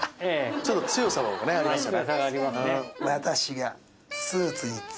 ちょっと強さもありますよね。